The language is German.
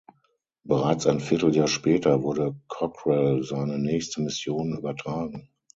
Bereits ein Vierteljahr später wurde Cockrell seine nächste Mission übertragen.